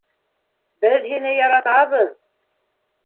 Беҙ һине яратабыҙ!